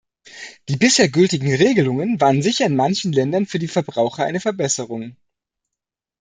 Die bisher gültigen Regelungen waren sicher in manchen Ländern für die Verbraucher eine Verbesserung.